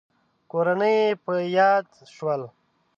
کورنۍ يې په ياد شول.